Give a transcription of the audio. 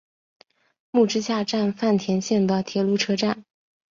木之下站饭田线的铁路车站。